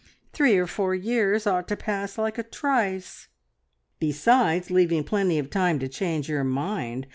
Three or four years ought to pass like a trice!" "Besides leaving plenty of time to change your mind.